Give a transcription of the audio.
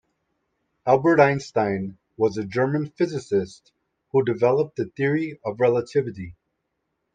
Albert Einstein was a German physicist who developed the Theory of Relativity.